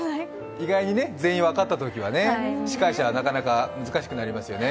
意外に全員分かったときは司会者は難しくなりますよね。